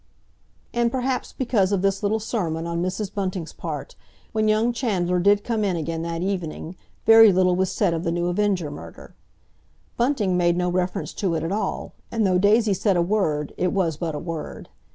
And perhaps because of this little sermon on Mrs. Bunting's part when young Chandler did come in again that evening, very little was said of the new Avenger murder. Bunting made no reference to it at all, and though Daisy said a word, it was but a word.